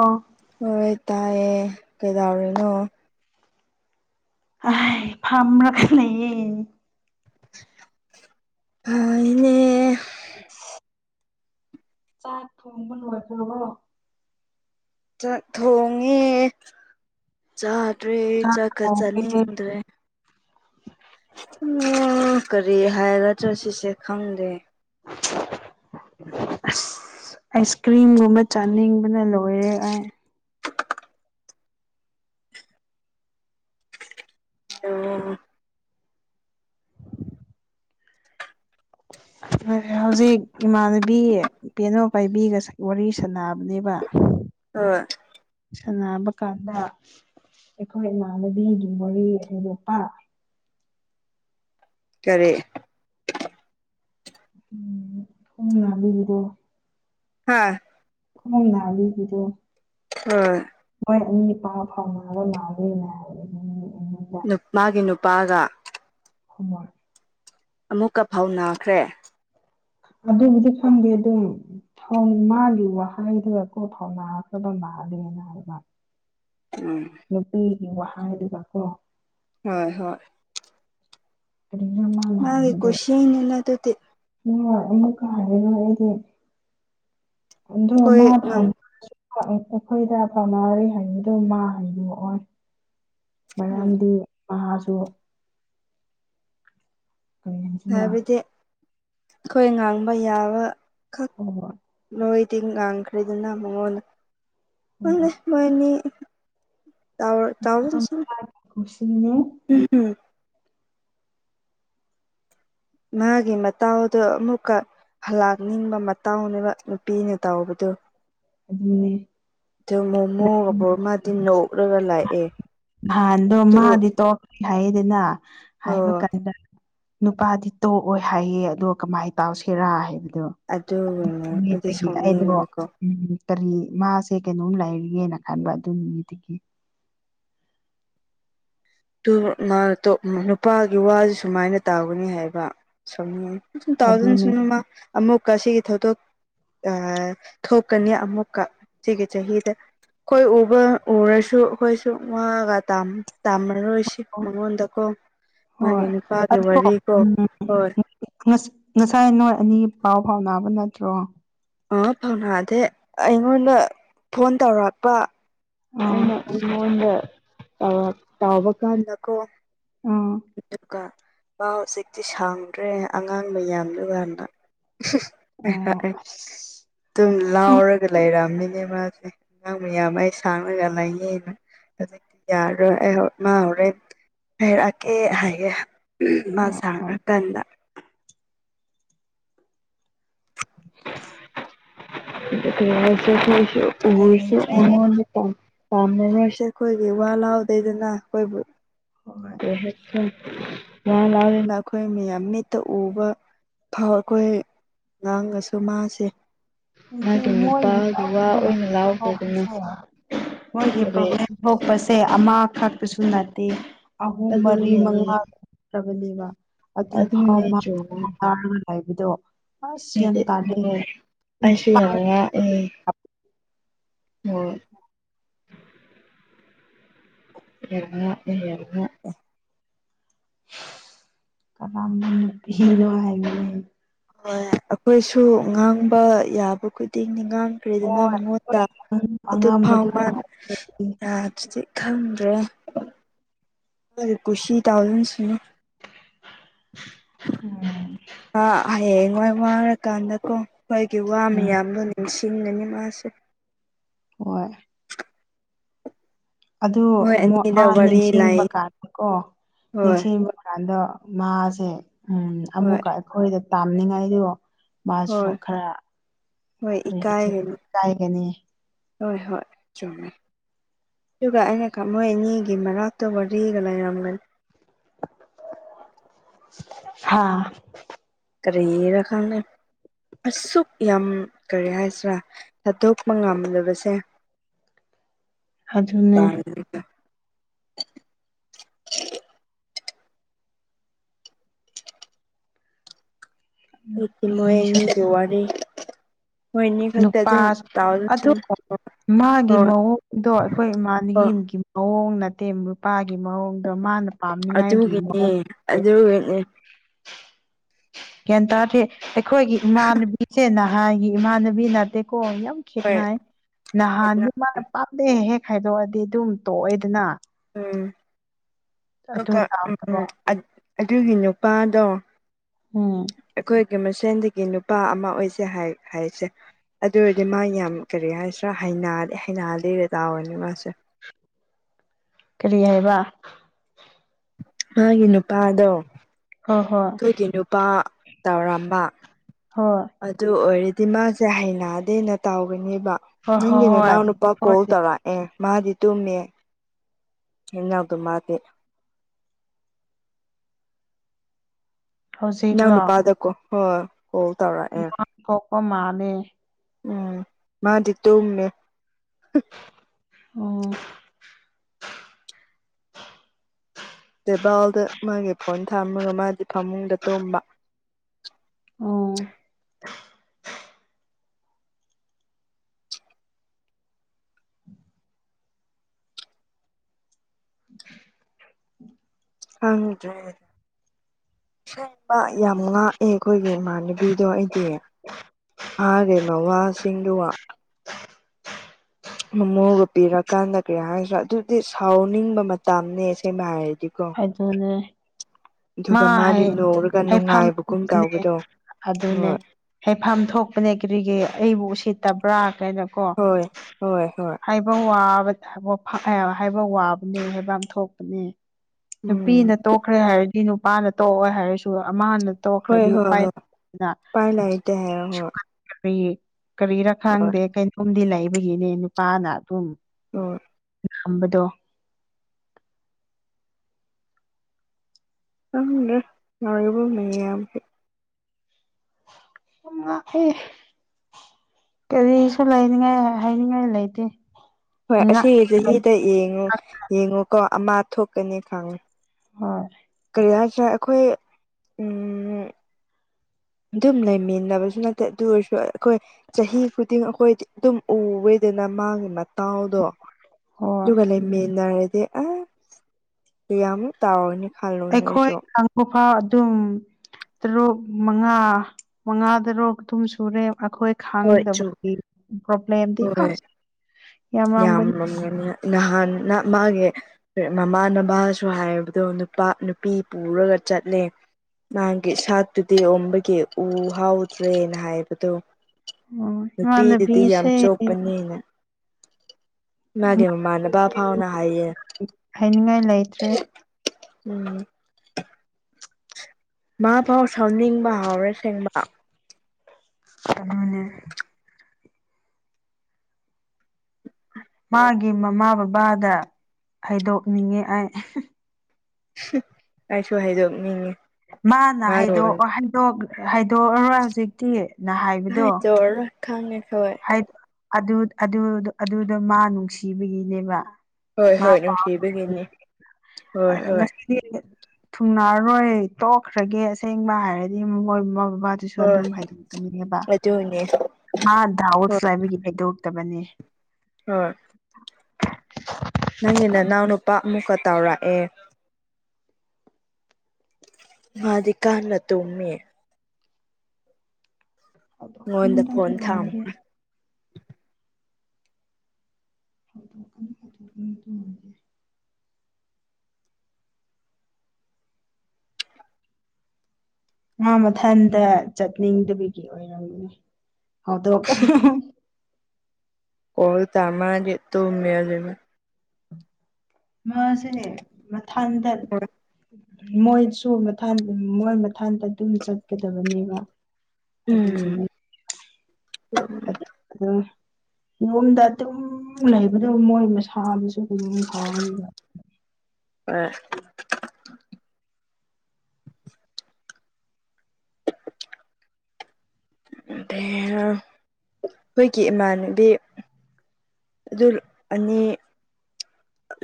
ꯑꯥ ꯍꯣꯏ ꯇꯥꯏꯌꯦ ꯀꯩꯗꯧꯔꯤꯅꯣ ꯑꯩ ꯐꯝꯔꯒ ꯂꯩꯌꯦ ꯅꯨꯡꯉꯥꯏꯅꯦ ꯆꯥꯛ ꯊꯣꯡꯕ ꯂꯣꯏꯈ꯭ꯔꯕꯣ ꯥꯆꯥꯛ ꯊꯣꯡꯉꯦ ꯆꯥꯗ꯭ꯔꯤ ꯆꯥꯛ ꯆꯥꯛꯀ ꯊꯣꯡꯉꯦ ꯆꯥꯅꯤꯡꯗ꯭ꯔꯦ ꯎꯝ ꯀꯔꯤ ꯍꯥꯏꯔꯗ꯭ꯔꯥ ꯁꯤꯁꯦ ꯈꯪꯗꯦ [unintelligible] ꯑꯁ ꯑꯥꯏꯁꯀ꯭ꯔꯤꯝꯒꯨꯝꯕ ꯆꯥꯅꯤꯡꯕꯅ ꯂꯣꯏꯔꯦ ꯑꯩ [unintelligible] ꯍꯧꯖꯤꯛ ꯏꯃꯥꯟꯅꯕꯤ ꯀꯩꯅꯣ ꯄꯥꯏꯕꯤꯒ ꯁ ꯋꯥꯔꯤ ꯁꯥꯅꯕꯅꯦꯕ ꯍꯣꯏ ꯁꯥꯟꯅꯕ ꯀꯥꯟꯗ ꯑꯩꯈꯣꯏ ꯏꯃꯥꯟꯅꯕꯤꯒꯤ ꯋꯥꯔꯤꯒꯤ ꯅꯨꯄꯥ ꯀꯔꯤ ꯎꯝ ꯊꯣꯡꯅꯥꯕꯤꯒꯤꯗꯣ ꯍꯥꯥ ꯈꯣꯡ ꯅꯥꯕꯤꯒꯤꯗꯣ ꯍꯣꯏ ꯄꯣꯏ ꯑꯅꯤ ꯄꯥꯎ ꯐꯥꯎꯅꯕ ꯃꯥꯥꯜꯂꯦꯅ ꯍꯥꯏ ꯅꯨ ꯃꯥꯒꯤ ꯅꯨꯄꯥꯒ ꯈꯨꯝꯃꯣꯏ ꯑꯃꯨꯛꯀ ꯐꯥꯎꯅꯥꯈ꯭ꯔꯦ ꯑꯗꯨꯕꯨꯗꯤ ꯈꯪꯗꯦ ꯑꯗꯨꯝ ꯊꯣꯡ ꯃꯥꯒꯤ ꯋꯥꯍꯩꯗꯨꯗꯀꯣ ꯐꯥꯎꯅꯈ꯭ꯔꯕ ꯃꯥꯜꯂꯦꯅ ꯍꯥꯏꯕ ꯎꯝ ꯅꯨꯄꯤꯒꯤ ꯋꯥꯍꯩꯗꯨꯗ ꯀꯣ ꯍꯣꯏ ꯍꯣꯏ ꯀꯔꯤꯅꯣ ꯃꯥꯅ ꯃꯥꯒꯤ ꯍꯥꯏꯕꯗꯣ ꯀꯨꯁꯤꯅꯤꯅ ꯑꯗꯨꯗꯤ [unintelligible] ꯑꯃꯨꯛꯀ ꯍꯥꯏꯔꯔꯣꯏ ꯑꯩꯗꯤ ꯑꯗꯣ ꯑꯩꯈꯣꯏ ꯃꯥ ꯈꯪ [unintelligible] ꯑꯩꯈꯣꯏꯗ ꯐꯥꯎꯅꯔꯤ ꯍꯥꯏꯕꯗꯣ ꯃꯥ ꯍꯥꯏꯗꯣꯛꯑꯣꯏ ꯃꯔꯝꯗꯤ ꯃꯥꯥꯖꯨ ꯀꯔꯤ ꯍꯥꯏꯁꯤꯔꯥ ꯍꯥꯏꯕꯗꯤ ꯑꯩꯈꯣꯏ ꯉꯥꯡꯕ ꯌꯥꯕ ꯈꯛ ꯍꯣ ꯍꯣꯏ ꯅꯣꯏꯗꯤ ꯉꯥꯡꯈ꯭ꯔꯦꯗꯅ ꯃꯉꯣꯟꯗ ꯈꯪꯗꯦ ꯍꯣꯏ ꯃꯣꯏ ꯑꯅꯤ ꯇꯧꯔ ꯃꯥ ꯇꯧꯔꯖꯁꯅꯨ ꯃꯥꯒꯤ ꯀꯨꯁꯤꯅꯦ ꯎꯝ ꯃꯥꯒꯤ ꯃꯇꯥꯎꯗꯣ ꯑꯃꯨꯛꯀ ꯍꯂꯥꯛꯅꯤꯡꯕ ꯃꯇꯥꯎꯅꯦꯕ ꯅꯨꯄꯤꯅ ꯇꯧꯕꯗꯨ ꯑꯗꯨꯅꯦ ꯇꯨ ꯃꯣꯃꯣꯒ ꯄꯣꯔ ꯃꯥꯗꯤ ꯅꯣꯛꯔꯒ ꯂꯥꯛꯑꯦ ꯅꯍꯥꯟꯗꯣ ꯇꯨ ꯃꯥꯗꯤ ꯇꯣꯛꯈ꯭ꯔꯦ ꯍꯥꯏꯌꯦꯗꯅ ꯍꯥꯏꯕ ꯀꯥꯟꯗ ꯅꯨꯄꯥꯗꯤ ꯇꯣꯛꯑꯣꯏ ꯍꯥꯏꯌꯦ ꯑꯗꯣ ꯀꯃꯥꯏ ꯇꯧꯁꯤꯔꯥ ꯍꯥꯏꯕꯗꯣ ꯑꯗꯨꯒꯅꯦ ꯑꯩꯗꯤ ꯅꯨꯃꯤꯠꯇꯒꯤ ꯑꯩꯗꯣ ꯁꯥꯎꯅꯤꯡꯕꯀꯣ ꯎꯝ ꯇꯜꯂꯤ ꯃꯥꯁꯦ ꯀꯩꯅꯣꯝ ꯂꯥꯏꯔꯤꯌꯦꯅ ꯈꯟꯕ ꯑꯗꯨꯃꯤꯗꯨꯒꯤ ꯇꯣ ꯃꯥ ꯇꯣꯞ ꯅꯨꯄꯥꯒꯤ ꯋꯥꯖꯨ ꯁꯨꯃꯥꯏꯅ ꯇꯥꯎꯒꯅꯤ ꯍꯥꯏꯕ ꯁꯨꯝ ꯑꯗꯨꯅꯦ [unintelligible] ꯑꯃꯨꯛꯀ ꯁꯤꯒꯤ ꯊꯧꯗꯣꯛ ꯑꯥ ꯊꯣꯛꯀꯅꯤ ꯑꯃꯨꯛꯀ ꯁꯤꯒꯤ ꯆꯍꯤꯗ ꯑꯩꯈꯣꯏ ꯎꯕ ꯎꯔꯁꯨ ꯑꯩꯈꯣꯏꯁꯨ ꯃꯥꯒ ꯇꯝ ꯇꯝ ꯔꯔꯣꯏꯁꯤ ꯃꯉꯣꯟꯗꯀꯣ ꯃꯥꯒꯤ ꯍꯣꯏ ꯅꯨꯄꯥꯒꯤ ꯑꯗꯣ ꯋꯥꯔꯤ ꯀꯣ ꯎꯝ ꯍꯣꯏ ꯉꯁ ꯉꯁꯥꯏ ꯅꯣꯏ ꯑꯅꯤ ꯄꯥꯎ ꯐꯥꯎꯅꯥꯕ ꯅꯠꯇ꯭ꯔꯣ ꯑꯥ ꯐꯥꯎꯅꯗꯦ ꯑꯩꯉꯣꯟꯗ ꯐꯣꯟ ꯇꯧꯔꯛꯄ ꯑꯥ ꯑꯩꯅ ꯑꯩꯉꯣꯟꯗ ꯇꯧꯔꯛ ꯇꯥꯎꯕꯀꯥꯟꯗꯀꯣ ꯑꯥ [unintelligible] ꯃꯥ ꯍꯧꯖꯤꯛꯇꯤ ꯁꯪꯗ꯭ꯔꯦ ꯑꯉꯥꯡ ꯃꯌꯥꯝꯗꯨꯒꯅ ꯑꯣ [unintelligible] ꯑꯁ ꯑꯗꯨꯝ ꯂꯥꯎꯔꯒ ꯂꯩꯔꯝꯃꯤꯅꯦ ꯃꯥꯖꯦ ꯑꯉꯥꯡ ꯃꯌꯥꯝ ꯑꯩ ꯁꯥꯡꯂꯒ ꯂꯩꯌꯦꯅ ꯍꯧꯖꯤꯛꯇꯤ ꯌꯥꯔꯔꯣꯏ ꯑꯩ ꯍꯣ ꯃꯥ ꯍꯣꯔꯦꯟ ꯍꯥꯏꯔꯛꯑꯀꯦ ꯍꯥꯏꯌꯦ ꯃꯥ ꯍꯣꯏ ꯍꯣꯏ ꯁꯥꯡꯔꯀꯥꯟꯗ [inaudible] ꯑꯗꯨꯒꯤ ꯑꯣꯏꯔꯁꯨ ꯑꯈꯣꯏꯁꯨ ꯎꯄꯥꯏ ꯎꯔꯁꯨ ꯂꯩꯇ꯭ꯔꯦ ꯃꯉꯣꯟꯗ ꯇꯧ ꯄꯥꯝꯅꯉꯣꯏꯁꯦ ꯑꯩꯈꯣꯏꯒꯤ ꯋꯥ ꯂꯥꯎꯗꯦꯗꯅ ꯑꯩꯈꯣꯏꯕꯨ ꯍꯣꯏ ꯀꯩ ꯍꯥꯏ [unintelligible] ꯑꯩꯈꯣꯏ ꯃꯌꯥꯝ ꯃꯤꯠꯇ ꯎꯕ ꯐꯥꯎ ꯑꯩꯈꯣꯏ ꯉꯥꯡꯉꯁꯨ ꯃꯥꯁꯦ ꯍꯥꯏꯗꯤ ꯃꯥꯒꯤ ꯃꯣꯏꯒꯤ ꯅꯨꯄꯥꯒꯤ ꯋꯥ ꯑꯣꯏꯅ ꯂꯥꯎꯗꯦꯗꯅ [unintelligible] ꯃꯣꯏꯒꯤ ꯑꯗꯨ ꯄ꯭ꯔꯣꯕ꯭ꯂꯦꯝ ꯊꯣꯛꯄꯁꯦ ꯑꯃꯈꯛꯇꯁꯨ ꯅꯠꯇꯦ ꯑꯍꯨꯝ ꯃꯔꯤ ꯑꯗꯨꯒꯤꯅꯤ ꯃꯉꯥ ꯈ꯭ꯔꯕꯅꯦꯕ ꯑꯗꯨ ꯐꯥꯎ ꯑꯗꯨꯅꯦ ꯆꯨꯝꯃꯦ [unintelligible] ꯍꯥꯏꯕꯗꯣ ꯑꯁ ꯒ꯭ꯌꯥꯟ ꯍꯥꯏꯗꯤ ꯇꯥꯗꯦ ꯍꯣꯏ ꯑꯩꯁꯨ ꯌꯥꯝ ꯉꯛꯑꯦ ꯎꯝ [unintelligible] ꯀꯅꯝꯕ ꯅꯨꯄꯤꯔꯣ ꯍꯥꯏꯕꯅꯦ ꯍꯣꯏ ꯑꯩꯈꯣꯏꯁꯨ ꯉꯥꯡꯕ ꯌꯥꯕ ꯈꯨꯗꯤꯡꯅꯤ ꯉꯥꯡ ꯀꯔꯤꯗꯅ ꯍꯣꯏ ꯃꯉꯣꯟꯗ ꯑꯗꯨ ꯐꯥꯎ ꯑꯉꯝꯕꯗꯣ ꯃꯥꯅ ꯎꯝ ꯌꯥꯗ꯭ꯔꯗꯤ ꯈꯪꯗ꯭ꯔꯦ ꯑꯩꯈꯣꯏꯗ ꯀꯨꯁꯤ ꯇꯧꯅꯤ ꯁꯤꯅꯤ ꯎꯝ ꯑ ꯍꯌꯦꯡꯋꯥꯏ ꯋꯥꯔꯀꯥꯟꯗꯀꯣ ꯑꯩꯈꯣꯏꯒꯤ ꯋꯥ ꯎꯝ ꯃꯌꯥꯝꯗꯨꯅꯤ ꯅꯤꯡꯁꯤꯡꯂꯅꯤ ꯃꯥꯁꯦ ꯍꯣꯏ ꯑꯗꯨ ꯃꯣꯏ ꯃꯣꯠ ꯑꯅꯤꯗ ꯃꯥ ꯋꯥꯔꯤ ꯅꯤꯡꯁꯤꯡꯕ ꯂꯥꯛ ꯀꯥꯟꯗꯀꯣ ꯍꯣꯏ ꯅꯤꯡꯁꯤꯡꯕ ꯀꯥꯟꯗ ꯃꯥꯁꯦ ꯎꯝ ꯍꯣꯏ ꯑꯃꯨꯛꯀ ꯑꯩꯈꯣꯏꯗ ꯇꯥꯝꯅꯤꯡꯉꯥꯏꯗꯣ ꯃꯥꯁꯨ ꯍꯣꯏ ꯈꯔ ꯍꯣꯏ ꯀꯔꯤ [unintelligible] ꯏꯀꯥꯏꯒꯅꯤ ꯏꯀꯥꯏꯒꯅꯤ ꯍꯣꯏ ꯍꯣꯏ ꯆꯨꯝꯃꯦ ꯑꯗꯨꯒ ꯑꯩꯅꯀꯥ ꯃꯣꯏ ꯑꯅꯤꯒꯤ ꯃꯔꯛꯇ ꯋꯥꯔꯤꯒ ꯂꯩꯔꯝꯒꯅꯤ ꯍꯥꯥ ꯀ꯭ꯔꯤꯔ ꯈꯪꯗꯦ ꯑꯁꯨꯛ ꯌꯥꯝ ꯀꯔꯤ ꯍꯥꯏꯁꯤꯔ ꯊꯥꯗꯣꯛꯄ ꯉꯝꯗꯕꯁꯦ ꯑꯗꯨꯅꯦ [unintelligible] [unintelligible] ꯃꯣꯏ ꯅꯨꯄꯤꯁꯨ ꯑꯅꯤꯒꯤ ꯋꯥꯔꯤ ꯃꯣꯏꯅꯤ ꯈꯛꯇ ꯑꯗꯨꯝ ꯅꯨꯄꯥꯁꯨ ꯑꯗꯨ ꯇꯧꯖꯁꯥꯅꯨ ꯃꯥꯒꯤ ꯃꯑꯣꯡꯗꯣ ꯑꯩꯈꯣꯏ ꯍꯣꯏ ꯏꯃꯥꯟꯅꯕꯤꯒꯤ ꯃꯑꯣꯡ ꯅꯠꯇꯦ ꯅꯨꯄꯥꯒꯤ ꯃꯑꯣꯡꯗꯣ ꯃꯥꯅ ꯄꯥꯝꯅꯤꯡꯉꯥꯏꯒꯤ ꯑꯗꯨꯒꯤꯅꯤ ꯃꯑꯣꯡꯁꯦ ꯑꯗꯨꯒꯤꯅꯤ ꯒ꯭ꯌꯥꯟ ꯇꯥꯗꯦ ꯑꯩꯈꯣꯏꯒꯤ ꯏꯃꯥꯟꯅꯕꯤꯁꯦ ꯅꯍꯥꯟꯒꯤ ꯏꯃꯥꯟꯅꯕꯤ ꯃꯤ ꯅꯠꯇꯦꯀꯣ ꯌꯥꯝ ꯍꯣꯏ ꯈꯦꯠꯅꯩ ꯅꯍꯥꯟꯃꯨꯛ ꯃꯥ ꯄꯥꯝꯗꯦ ꯍꯦꯛ ꯈꯥꯏꯗꯣꯛ ꯑꯗꯤ ꯑꯗꯨꯝ ꯇꯣꯛꯑꯦꯗꯅ ꯎꯝ ꯀꯛ ꯑꯗꯨ ꯀꯥ ꯎꯝ ꯇꯥꯎꯗꯕ ꯑꯗꯨꯒꯤ ꯅꯨꯄꯥꯗꯣ ꯎꯝ ꯑꯩꯈꯣꯏꯒꯤ ꯃꯁꯦꯟꯗꯒꯤ ꯅꯨꯄꯥ ꯑꯃ ꯑꯣꯏꯁꯦ ꯍꯥꯏꯁꯦ ꯑꯗꯨ ꯑꯣꯏꯔꯗꯤ ꯃꯥ ꯌꯥꯝ ꯀꯔꯤ ꯍꯥꯏꯁꯤꯔ ꯍꯩꯅꯥ [unintelligible] ꯃꯥꯁꯦ ꯀꯔꯤ ꯍꯥꯏꯕ ꯃꯥꯒꯤ ꯅꯨꯄꯥꯗꯣ ꯍꯣꯏ ꯍꯣꯏ ꯑꯩꯈꯣꯏꯒꯤ ꯅꯨꯄꯥ ꯇꯧꯔꯝꯕ ꯍꯣꯏ ꯑꯗꯨ ꯑꯣꯏꯔꯗꯤ ꯃꯥꯁꯦ ꯍꯩꯅꯗꯦꯅ ꯇꯧꯒꯅꯤꯕ ꯍꯣꯏ ꯅꯪꯒꯤ ꯍꯣꯏ ꯅꯅꯥꯎꯅꯨꯄꯥ ꯍꯣꯏ ꯀꯣꯜ ꯍꯣꯏ ꯇꯧꯔꯛꯑꯦ ꯃꯥꯗꯤ ꯇꯨꯝꯃꯦ [unintelligible] ꯏꯅꯥꯎ ꯍꯧꯖꯤꯛꯂꯣ ꯅꯨꯄꯥꯗꯀꯣꯈꯣ ꯀꯣꯜ ꯇꯧꯔꯛꯑꯦ ꯀꯣꯛꯄ ꯃꯥꯜꯂꯦ ꯎꯝ ꯃꯥꯗꯤ ꯇꯨꯝꯃꯦ ꯑꯣ ꯇꯦꯕꯥꯜꯗ ꯃꯥꯒꯤ ꯐꯣꯟ ꯊꯥꯝꯃꯒ ꯃꯥꯗꯤ ꯐꯃꯨꯡꯗ ꯇꯨꯝꯕ ꯑꯣ [inaudible] ꯈꯪꯗ꯭ꯔꯦ ꯏꯁꯦꯡꯕ ꯌꯥꯝ ꯉꯥꯛꯑꯦ ꯑꯩꯈꯣꯏꯒꯤ ꯏꯃꯥꯟꯅꯕꯤ ꯕꯤꯗꯣ ꯑꯩꯗꯤ ꯃꯥꯒꯤ ꯃꯋꯥꯁꯤꯡꯗꯨꯒ ꯃꯣꯃꯣꯒ ꯄꯤꯔꯀꯥꯟꯗ ꯀꯔꯤ ꯍꯥꯏꯔꯁꯤ꯭ꯔꯥ ꯑꯗꯨꯗꯤ ꯁꯥꯎꯅꯤꯡꯕ ꯃꯇꯝꯅꯦ ꯑꯁꯦꯡꯕ ꯍꯥꯏꯔꯗꯤꯀꯣ ꯑꯗꯨꯅꯦ ꯃꯥ ꯑꯗꯨꯒ ꯃꯥꯗꯤ ꯍꯩ ꯅꯣꯛꯔꯒ ꯍꯩꯐꯝ ꯅꯨꯡꯉꯥꯏꯕꯒꯨꯝ ꯇꯧꯕꯗꯣ [unintelligible] ꯑꯗꯨꯅꯦ ꯍꯣꯏ ꯍꯥꯏꯐꯝ ꯊꯣꯛꯄꯅꯦ ꯀꯔꯤꯒꯤ ꯑꯩꯕꯨ ꯎꯁꯤꯠꯇꯕ꯭ꯔꯥ ꯀꯥꯏꯅꯀꯣ ꯍꯣꯏ ꯍꯣꯏ ꯍꯣꯏ ꯍꯥꯏꯕ ꯋꯥꯕ ꯍꯥꯏꯕ ꯋꯥꯕꯅꯦ ꯍꯥꯏꯕ ꯑꯃ ꯊꯣꯛꯄꯅꯦ ꯎꯝ ꯅꯨꯄꯤꯅ ꯇꯣꯛꯈ꯭ꯔꯦ ꯍꯥꯏꯔꯗꯤ ꯅꯨꯄꯥꯅ ꯇꯣꯛꯑꯣ ꯍꯥꯏꯔꯁꯨ ꯑꯃꯅ ꯍꯣꯏ ꯇꯣꯛꯈ꯭ꯔꯗꯤ ꯍꯣꯏ ꯍꯣꯏ ꯎꯄꯥꯏꯅ ꯎꯄꯥꯏ ꯂꯩꯇꯦ ꯍꯥꯏꯔ ꯍꯣꯏ ꯑꯩꯈꯣꯏ ꯀꯔꯤꯔ ꯍꯣꯏ ꯈꯪꯗꯦ ꯀꯩꯅꯣꯝꯗꯤ ꯂꯩꯕꯒꯤꯅꯦ ꯅꯨꯄꯥꯅ ꯑꯗꯨꯝ [inaudible] ꯉꯝꯕꯗꯣ ꯈꯪꯗꯦ ꯃꯔꯨꯑꯣꯏꯕ ꯃꯌꯥꯝꯁꯦ ꯉꯥꯛꯍꯦ ꯀꯔꯤꯁꯨ ꯂꯩꯅꯤꯡꯉꯥꯏ ꯍꯥꯏꯅꯤꯡꯉꯥꯏ ꯂꯩꯇꯦ ꯍꯣꯏ ꯉꯥꯛ ꯑꯁꯤꯒꯤ ꯆꯍꯤꯗ ꯌꯦꯡꯉꯨ ꯌꯦꯡꯉꯨ ꯀꯣ ꯑꯃꯥ ꯊꯣꯛꯀꯅꯤ ꯈꯪꯉꯦ ꯍꯣꯏ ꯀꯔꯤ ꯍꯥꯏꯁꯦ ꯑꯩꯈꯣꯏ ꯎꯝ ꯑꯗꯨꯝ ꯂꯩꯃꯤꯟꯅꯕꯁꯨ ꯅꯠꯇꯦ ꯑꯗꯨ ꯑꯣꯏꯔꯁꯨ ꯑꯩꯈꯣꯏ ꯆꯍꯤ ꯈꯨꯗꯤꯡ ꯑꯩꯈꯣꯏꯗꯤ ꯑꯗꯨꯝ ꯎꯋꯦꯗꯅ ꯃꯥꯒꯤ ꯃꯠ ꯇꯥꯎꯗꯣ ꯍꯣꯏ ꯑꯗꯨꯒ ꯂꯩꯃꯤꯟꯅꯔꯗꯤ ꯑꯁ ꯀꯌꯥꯝ ꯃꯨꯛ ꯇꯥꯎꯔꯅꯤ ꯈꯜꯂꯣ ꯅꯣꯏꯁꯨ ꯃꯐꯥ ꯑꯗꯨꯝ ꯇꯨꯔꯨꯛ ꯃꯉꯥ ꯃꯉꯥ ꯗꯔꯨꯛ ꯑꯗꯨꯝ ꯁꯨꯔꯦ ꯑꯩꯈꯣꯏ ꯍꯣꯏ ꯆꯨꯝ ꯈꯥꯡꯗꯕꯒꯤ꯫ ꯄꯣꯕ꯭ꯂꯦꯝꯗꯤ ꯑꯁ ꯌꯥꯝꯃꯒꯟ ꯃꯝꯉꯅꯤ ꯅꯍꯥꯟꯅ ꯃꯥꯒꯤ ꯃꯃꯥꯅꯕꯥꯁꯨ ꯍꯥꯏꯕꯗꯣ ꯅꯨꯄꯥ ꯅꯨꯄꯤ ꯄꯨꯔꯒ ꯆꯠꯂꯦ ꯅꯍꯥꯟꯒꯤ ꯁꯥꯠꯇꯨꯗꯤ ꯑꯣꯝꯕꯒꯤ ꯎ ꯍꯥꯎꯗ꯭ꯔꯦꯅ ꯍꯥꯏꯕꯗꯣ ꯑꯣ ꯅꯨꯄꯤꯗꯨꯗꯤ ꯌꯥꯝ ꯏꯃꯥꯟꯅꯕꯤꯁꯦ ꯆꯣꯞꯄꯅꯤꯅ ꯃꯥꯒꯤ ꯃꯃꯥꯅꯕꯥ ꯐꯥꯎꯅ ꯍꯥꯏꯌꯦ ꯍꯥꯏꯅꯤꯡꯉꯥꯏ ꯂꯩꯇ꯭ꯔꯦ ꯎꯝ ꯃꯥ ꯐꯥꯎ ꯁꯥꯎꯅꯤꯡꯕ ꯍꯥꯎꯔꯦꯁꯦꯡꯕ ꯑꯗꯨꯅꯤ ꯃꯥꯒꯤ ꯃꯃꯥ ꯕꯕꯥꯗ ꯍꯥꯏꯗꯣꯛꯅꯤꯡꯉꯦ ꯑꯩ [unintelligible] [unintelligible] ꯑꯩꯁꯨ ꯍꯥꯏꯗꯣꯛꯅꯤꯡꯉꯦ ꯃꯥꯅ ꯍꯥꯏꯗꯣꯛꯑꯣ ꯍꯥꯏꯗꯣꯛ ꯍꯥꯏꯗꯣꯛꯑꯔꯣꯏ ꯍꯧꯖꯤꯛꯇꯤ ꯍꯥꯏꯗꯣꯛ ꯑꯔꯣꯏ ꯈꯪꯉꯦ ꯈꯣꯏ ꯑꯥꯏꯠ ꯑꯗꯨ ꯑꯗꯨꯗꯣ ꯑꯗꯨꯗ ꯃꯥ ꯅꯨꯡꯁꯤꯕꯒꯤꯅꯦꯕ ꯍꯣꯏ ꯃꯥ ꯍꯣꯏ ꯄꯥꯎ ꯅꯨꯡꯁꯤꯕꯒꯤꯅꯤ ꯍꯣꯏ ꯑꯗ ꯍꯣꯏ ꯉꯁꯤ [unintelligible] ꯊꯨꯡꯅꯔꯔꯣꯏ ꯇꯣꯛꯈ꯭ꯔꯒꯦ ꯑꯁꯦꯡꯕ ꯍꯥꯏꯔꯗꯤ ꯃꯣꯏ ꯃꯃꯥ ꯕꯕꯥꯗ ꯗꯨꯁꯨ ꯍꯣꯏ ꯑꯗꯨꯝ ꯍꯥꯏꯗꯣꯛꯀꯅꯤꯕ ꯑꯗꯨꯅꯦ ꯃꯥ ꯗꯥꯎꯠ ꯍꯣꯏ ꯂꯩꯕꯒꯤ ꯍꯥꯏꯗꯣꯛꯇꯕꯅꯦ ꯍꯣꯏ ꯅꯪꯒꯤ ꯅꯅꯥꯎ ꯅꯨꯄꯥ ꯑꯃꯨꯛꯀꯥ ꯇꯥꯎꯔꯛꯑꯦ ꯃꯥꯗꯤ ꯀꯥꯟꯅ ꯇꯨꯝꯃꯤ ꯃꯉꯣꯟꯗ ꯍꯧꯗꯣꯛꯀꯅꯨꯗ ꯑꯗꯨ ꯐꯣꯟ ꯊꯥꯝ ꯑꯣꯏꯔꯗꯤ ꯐꯥꯛꯇꯣꯛꯎ ꯐꯥꯛꯇꯣꯛ [unintelligible] ꯃꯥ ꯃꯊꯟꯇ ꯆꯠꯅꯤꯡꯗꯕꯒꯤ ꯑꯣꯏꯔꯝꯒꯅꯦ ꯍꯧꯗꯣꯛꯀꯅꯨ [unintelligible] ꯀꯣꯜ ꯇꯝꯃꯛꯑꯗꯤ ꯇꯨꯝꯃꯦ ꯑꯗꯨꯝ ꯃꯥꯁꯦ ꯃꯊꯟꯗ ꯃꯣꯏꯁꯨ ꯃꯊꯥꯟ ꯃꯣꯏ ꯃꯊꯥꯟꯗ ꯑꯗꯨꯝ ꯆꯠꯀꯗꯕꯅꯦꯕ ꯎꯝ ꯑꯗꯨꯒꯤꯅꯦ ꯑꯗꯨꯝ ꯌꯨꯝꯗ ꯑꯗꯨꯝ ꯂꯩꯕꯗꯨ ꯃꯣꯏ ꯃꯁꯥꯗꯨꯁꯨ ꯑꯗꯨꯝ ꯐꯥꯕꯅꯤꯕ ꯑꯦ ꯗꯦꯝ ꯑꯩꯈꯣꯏꯒꯤ ꯏꯃꯥꯟꯅꯕꯤ ꯑꯗꯨ ꯑꯅꯤ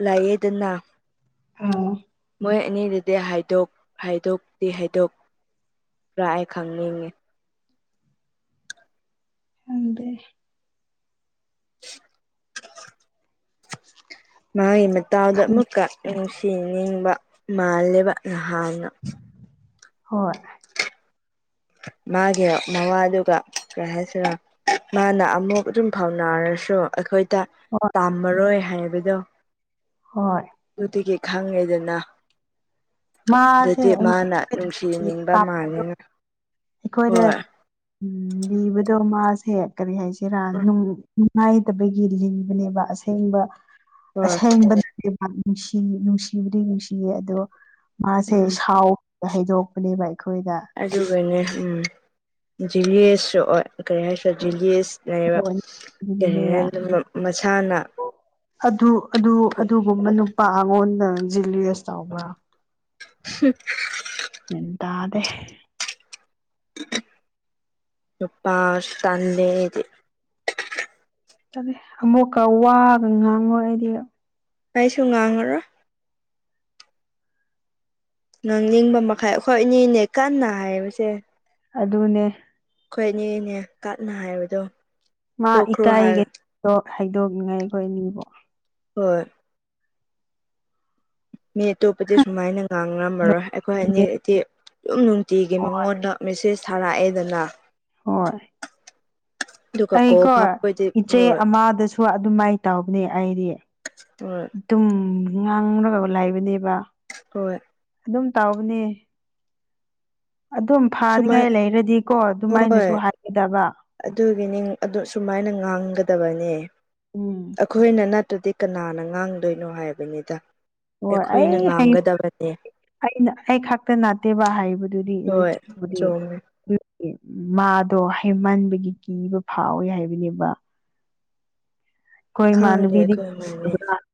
ꯂꯥꯢꯌꯦꯗꯅ ꯑꯣ ꯃꯣꯏ ꯑꯅꯤꯒꯤꯗꯤ ꯍꯥꯏꯗꯣꯛ ꯍꯥꯏꯗꯣꯛꯇꯤ ꯍꯥꯏꯗꯣꯛꯄ꯭ꯔꯥ ꯑꯩ ꯈꯪꯅꯤꯡꯉꯦ꯫ ꯍꯪꯗꯦ [unintelligible] ꯃꯥꯒꯤ ꯃꯇꯥꯎꯗ ꯑꯃꯨꯛꯀ ꯅꯨꯡꯁꯤꯅꯤꯡꯕ ꯃꯥꯜꯂꯦꯕ ꯅꯍꯥꯟꯅ ꯍꯣꯏ ꯃꯥꯒꯤ ꯃꯋꯥꯗꯨꯒ ꯀꯩ ꯍꯥꯏꯁꯤꯔ ꯃꯥꯅ ꯑꯃꯨꯛ ꯑꯗꯨꯝ ꯐꯥꯎꯅꯔꯁꯨ ꯑꯩꯈꯣꯏ ꯇꯥ ꯍꯣꯏ ꯄꯥꯝꯃꯔꯣꯏ ꯍꯥꯏꯕꯗꯣ ꯍꯣꯏ ꯑꯗꯨꯗꯒꯤ ꯈꯪꯉꯦꯗꯅ ꯃꯥꯁꯦ ꯑꯗꯨꯗꯤ ꯑꯩ ꯃꯥꯅ ꯑꯩꯈꯣꯏꯗ ꯅꯨꯡꯁꯤ ꯅꯤꯡꯕ ꯇꯥꯛꯄꯗꯣ ꯃꯥꯜꯂꯦꯅ ꯑꯩꯈꯣꯏꯗ ꯍꯣꯏ ꯎꯝ ꯂꯤꯕꯗꯣ ꯃꯥꯁꯦ ꯀꯔꯤ ꯍꯥꯏꯁꯤꯔꯥ ꯅꯨꯡ ꯉꯥꯏꯇꯕꯒꯤ ꯂꯤꯕꯅꯦꯕ ꯑꯁꯦꯡꯕ ꯍꯣꯏ ꯑꯁꯦꯡꯕ ꯅꯠꯇꯦꯕ ꯅꯨꯡꯁꯤ ꯅꯨꯡꯁꯤꯕꯗꯤ ꯅꯨꯡꯁꯤꯌꯦ ꯑꯗꯣ ꯃꯥꯁꯦ ꯎꯝ ꯁꯥꯎ ꯍꯩꯗꯣꯛꯄꯅꯦꯕ ꯑꯩꯈꯣꯏꯗ ꯑꯗꯨꯒꯤꯅꯦ ꯎꯝ ꯖꯤꯂꯦꯁꯁꯨ ꯑꯣꯏ ꯀꯔꯤ ꯍꯥꯏꯁꯦꯔꯥ ꯖꯤꯂꯦꯁ ꯂꯩꯕ ꯑꯗꯨꯒꯤꯅꯦꯕ ꯀꯔꯤꯍꯦꯟꯗꯨꯃꯣ ꯃꯁꯥꯅ ꯑꯗꯨ ꯑꯗꯨ ꯑꯗꯨꯒꯨꯝꯕ ꯅꯨꯄꯥ ꯉꯣꯟꯗ ꯖꯤꯂꯤꯌꯦꯁ ꯇꯧꯕ꯫ [inaudible] [unintelligible] ꯒ꯭ꯌꯥꯟꯇꯥꯗꯦ ꯅꯨꯄꯥꯁꯨ ꯇꯟꯂꯦ ꯑꯩꯗꯤ꯫ ꯑꯃꯨꯛꯀ ꯋꯥꯒ ꯉꯥꯡꯉꯣꯏ ꯑꯩꯗꯤ꯫ ꯑꯩꯁꯨ ꯉꯥꯡꯉꯔꯣꯢ ꯉꯥꯡꯅꯤꯡꯕ ꯃꯈꯩ ꯑꯩꯈꯣꯏ ꯑꯅꯤꯅꯦ ꯀꯟꯅ ꯍꯥꯏꯕꯁꯦ ꯑꯗꯨꯅꯦ ꯈꯣꯏꯅꯤꯅꯦ ꯀꯟꯅ ꯍꯥꯏꯕꯗꯣ ꯃꯥꯥ ꯇꯣꯛꯈ꯭ꯔꯣ ꯏꯀꯥꯏ ꯍꯥꯏ ꯗꯣ ꯍꯥꯏꯗꯣꯛꯅꯤꯡꯉꯥꯏ ꯑꯩꯈꯣꯏ ꯑꯅꯤꯕꯣ ꯍꯣꯏ ꯃꯤ ꯑꯇꯣꯞꯄꯗꯤ ꯁꯨꯃꯥꯏꯅ ꯉꯥꯡꯔꯝꯃꯔꯣꯏ ꯑꯩꯈꯣꯏ ꯑꯅꯤꯗꯤ ꯗꯨꯝ ꯅꯨꯡꯇꯤꯒꯤ ꯍꯣꯏ ꯃꯉꯣꯟꯗ ꯃꯦꯁꯦꯁ ꯊꯥꯔꯛꯑꯦꯗꯅ ꯍꯣꯏ ꯑꯗꯨꯒ ꯀꯣꯜ ꯑꯩꯀꯣ ꯐꯥꯎꯕꯗꯤ ꯏꯆꯦ ꯍꯣꯏ ꯑꯃꯗꯁꯨ ꯍꯣꯢ ꯑꯗꯨꯃꯥꯏ ꯇꯧꯕꯅꯦ ꯑꯩꯗꯤ ꯍꯣꯢ ꯗꯨꯝ ꯉꯥꯡꯔꯒ ꯂꯩꯕꯅꯦꯕ ꯍꯣꯏ ꯗꯨꯝ ꯇꯧꯕꯅꯦ ꯑꯗꯨꯝ ꯁꯨꯃꯥꯏ ꯐꯥꯅꯤꯉꯥꯏ ꯂꯩꯔꯗꯤꯀꯣ ꯍꯣꯏ ꯑꯗꯨꯃꯥꯏꯅꯁꯨ ꯍꯥꯏꯒꯗꯕ ꯑꯗꯨꯒꯤꯅꯤ ꯑꯗꯨ ꯁꯨꯃꯥꯏꯅ ꯉꯥꯡꯒꯗꯕꯅꯤ꯫ ꯎꯝ ꯑꯩꯈꯣꯏꯅ ꯅꯠꯇ꯭ꯔꯗꯤ ꯀꯅꯥꯅ ꯉꯥꯡꯗꯣꯏꯅꯣ ꯍꯥꯏꯕꯅꯤꯗ ꯍꯣꯏ ꯑꯩꯈꯣꯏꯅ ꯑꯩ ꯉꯥꯡꯒꯗꯕꯅꯦ꯫ ꯑꯩꯅ ꯑꯩ ꯈꯛꯇ ꯅꯥꯠꯇꯦꯕ ꯍꯥꯏꯕꯗꯨꯗꯤ ꯑꯩ ꯍꯣꯏ ꯆꯨꯕꯨꯗꯤ ꯆꯨꯝꯃꯦ ꯃꯥꯗꯣ ꯍꯥꯢꯃꯟꯕꯒꯤ ꯀꯤꯕ ꯐꯥꯎꯋꯤ ꯍꯥꯏꯕꯅꯦꯕ꯫ ꯈꯣꯏ ꯈꯪꯗꯦ ꯃꯥꯟꯅꯕꯤꯗꯤ ꯑꯩꯈꯣꯏ ꯃꯅꯦ ꯀꯤꯗꯕꯗ